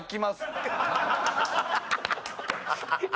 ハハハハ！